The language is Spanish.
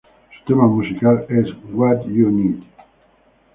Su tema musical es ""What U Need".